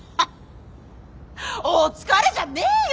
お疲れじゃねえよ！